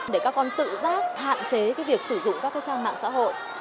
để các con tự giác hạn chế cái việc sử dụng các cái trang mạng xã hội